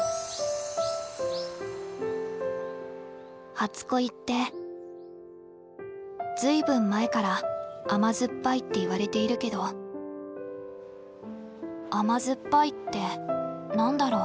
初恋って随分前から「甘酸っぱい」っていわれているけど甘酸っぱいって何だろう？